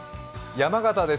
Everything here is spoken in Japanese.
山形です